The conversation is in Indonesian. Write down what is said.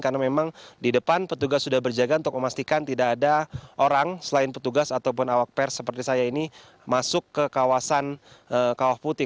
karena memang di depan petugas sudah berjaga untuk memastikan tidak ada orang selain petugas ataupun awak pers seperti saya ini masuk ke kawasan kawah putih